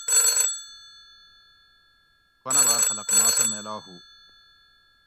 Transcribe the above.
پنہ باۤر خلق ما سہۤ میلا ہُو